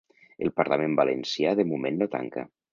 El parlament valencià de moment no tanca.